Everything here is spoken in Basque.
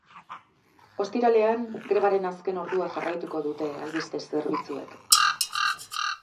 Ostiralean, grebaren azken ordua jarraituko dute albiste zerbitzuek.